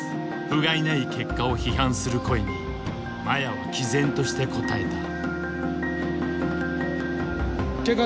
ふがいない結果を批判する声に麻也はきぜんとして答えた。